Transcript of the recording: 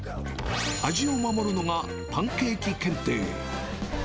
味を守るのがパンケーキ検定。